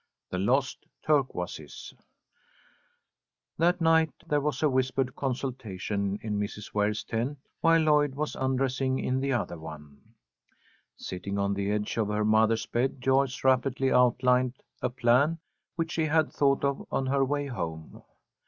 THE LOST TURQUOISES THAT night there was a whispered consultation in Mrs. Ware's tent while Lloyd was undressing in the other one. Sitting on the edge of her mother's bed, Joyce rapidly outlined a plan which she had thought of on her way home.